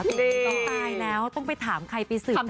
ต้องตายแล้วต้องไปถามใครไปสื่อจากไหน